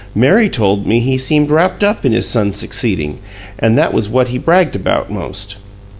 Mary told me he seemed wrapped up in his son's succeeding; and that was what he bragged about most.